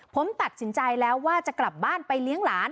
ผมตัดสินใจแล้วว่าจะกลับบ้านไปเลี้ยงหลาน